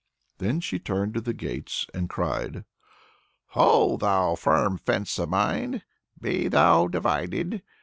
Then she turned to the gates, and cried: "Ho, thou firm fence of mine, be thou divided!